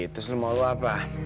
terus lu mau lu apa